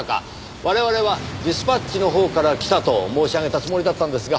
我々はディスパッチのほうから来たと申し上げたつもりだったんですが。